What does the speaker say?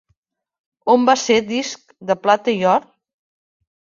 On va ser disc de plata i or?